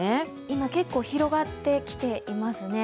今、結構広がってきていますね。